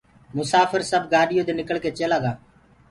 مساڦر سب گآڏيو دي نکݪ ڪي چيلآ گآ